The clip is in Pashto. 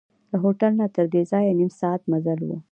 له هوټل نه تردې ځایه نیم ساعت مزل و.